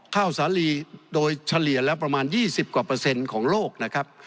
ข้าวสาลีโดยเฉลี่ยแล้วประมาณ๒๐กว่าเปอร์เซ็นต์ของโลกนะครับ